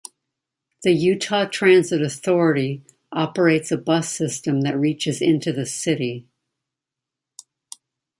The Utah Transit Authority operates a bus system that reaches into the city.